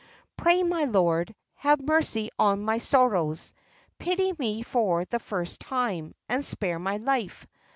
"Pray, my lord, have mercy on my sorrows; pity me for the first time, and spare my life.